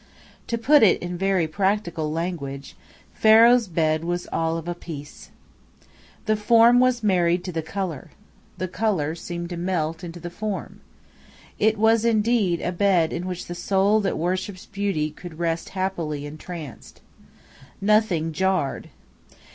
To put it in very practical language, "Pharaoh's Bed" was "all of a piece." The form was married to the color. The color seemed to melt into the form. It was indeed a bed in which the soul that worships beauty could rest happily entranced. Nothing jarred.